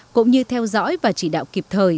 cũng như theo dõi và chỉ đạo kịp thời